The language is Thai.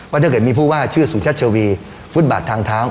ถ้าเกิดมีผู้ว่าชื่อสุชัชวีฟุตบาททางเท้า